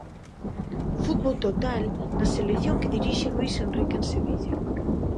Fútbol total na selección que dirixe Luís Enrique en Sevilla.